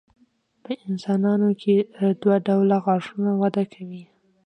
په انسانانو کې دوه ډوله غاښونه وده کوي.